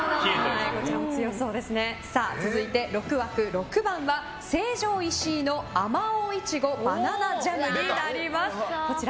続いて６枠６番は成城石井のあまおういちごバナナジャムです。